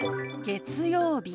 「月曜日」。